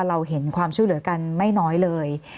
เราเห็นความช่วยเหลือกันไม่น้อยเลย